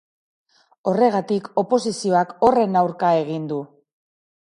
Horregatik, oposizioak horren aurka egin du.